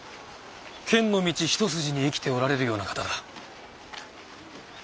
剣の道一筋に生きておられるような方だ。